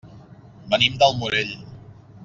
Venim del Morell.